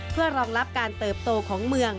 เพื่อรองรับการเติบโตของเมือง